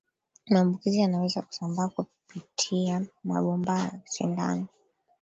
maambukizi yanaweza kusambaa kupipitia mabomba ya sindano